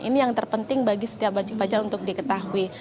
ini yang terpenting bagi setiap wajib pajak untuk diketahui